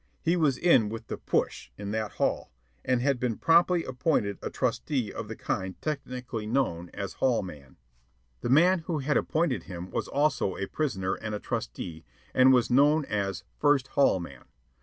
He was in with the "push" in that hall, and had been promptly appointed a trusty of the kind technically known as "hall man." The man who had appointed him was also a prisoner and a trusty, and was known as "First Hall man."